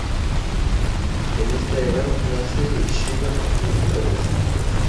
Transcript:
En esta era, nace de Shiva y Parvati.